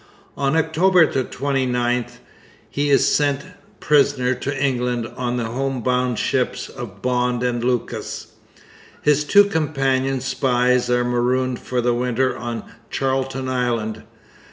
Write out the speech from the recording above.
On October 29 he is sent prisoner to England on the home bound ships of Bond and Lucas. His two companion spies are marooned for the winter on Charlton Island.